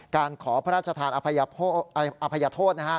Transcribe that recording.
การขอพระราชทานอภัยโทษ